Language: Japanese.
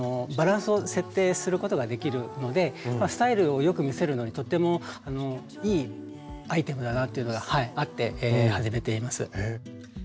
バランスを設定することができるのでスタイルを良く見せるのにとってもいいアイテムだなというのがあって始めています。